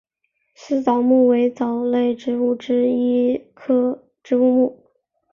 丝藻目为藻类植物之一植物目。